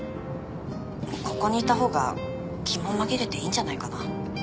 ここにいた方が気も紛れていいんじゃないかな？